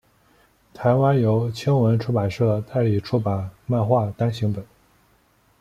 台湾由青文出版社代理出版漫画单行本。